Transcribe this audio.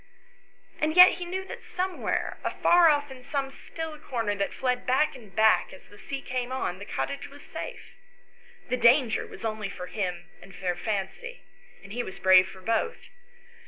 And yet he knew that somewhere, afar off in some, still corner that fled back and back as the sea came on, the cottage was safe; the danger was only for him and for Fancy, and he was brave for both.